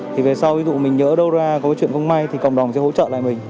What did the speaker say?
thì về sau ví dụ mình nhớ đâu ra có chuyện không may thì cộng đồng sẽ hỗ trợ lại mình